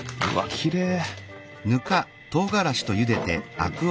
きれい！